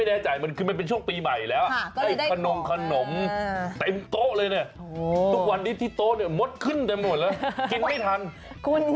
เดี๋ยวเดี๋ยวผมนึกก่อน